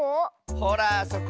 ほらあそこ。